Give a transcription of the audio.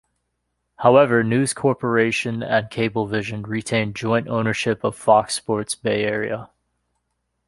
However, News Corporation and Cablevision retained joint ownership of Fox Sports Bay Area.